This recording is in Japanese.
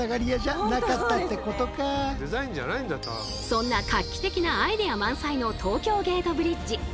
そんな画期的なアイデア満載の東京ゲートブリッジ。